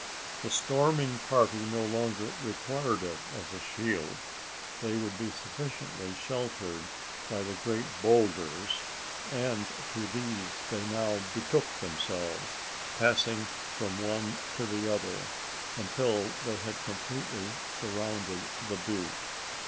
The storming party no longer required it as a shield: they would be sufficiently sheltered by the great boulders; and to these they now betook themselves passing from one to the other, until they had completely surrounded the butte.